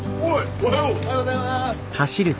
おはよう！おはようございます！